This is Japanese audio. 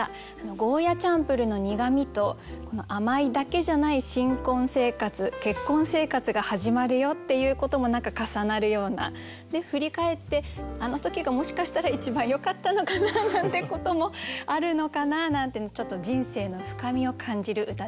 ゴーヤチャンプルーの苦味と甘いだけじゃない新婚生活結婚生活が始まるよっていうことも何か重なるような。で振り返って「あの時がもしかしたら一番よかったのかな」なんてこともあるのかななんてちょっと人生の深みを感じる歌でした。